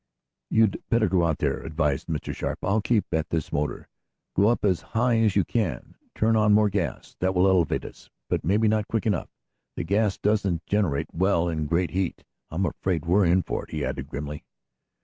"You'd better go out there," advised Mr. Sharp. "I'll keep at this motor. Go up as high as you can. Turn on more gas. That will elevate us, but maybe not quick enough. The gas doesn't generate well in great heat. I'm afraid we're in for it," he added grimly.